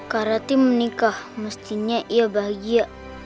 karati menikah mestinya ia bahagia